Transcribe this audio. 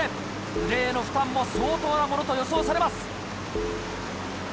腕への負担も相当なものと予想されます。